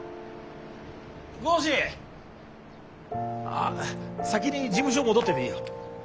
あっ先に事務所戻ってていいよ。